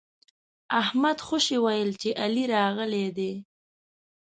احمد خوشي ويل چې علي راغلی دی.